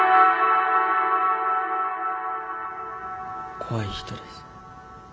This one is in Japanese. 怖い人です。